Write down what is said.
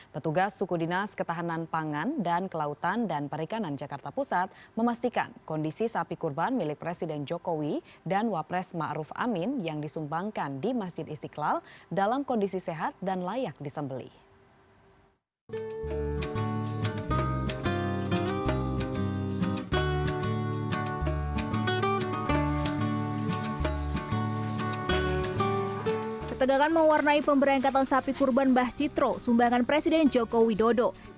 ketegangan mewarnai pemberengkatan sapi kurban bah citro sumbangan presiden joko widodo